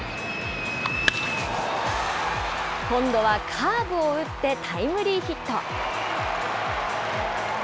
今度はカーブを打って、タイムリーヒット。